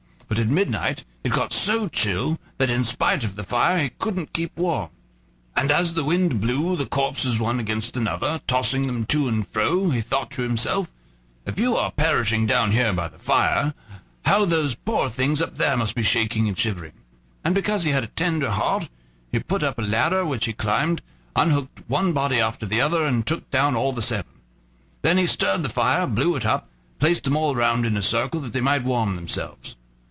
But at midnight it got so chill that in spite of the fire he couldn't keep warm. And as the wind blew the corpses one against the other, tossing them to and fro, he thought to himself: "If you are perishing down here by the fire, how those poor things up there must be shaking and shivering!" And because he had a tender heart, he put up a ladder, which he climbed unhooked one body after the other, and took down all the seven. Then he stirred the fire, blew it up, and placed them all round in a circle, that they might warm themselves.